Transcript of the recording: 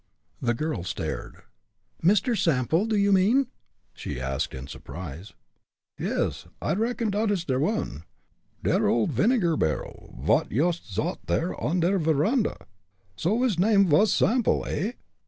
The girl stared. "Mr. Sample, do you mean?" she asked, in surprise. "Yes, I reckon dot's der one der old vinegar barrel vot yoost sot on der veranda. So his name vas Sample, eh?